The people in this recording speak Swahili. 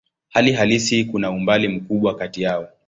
Hali halisi kuna umbali mkubwa kati yao.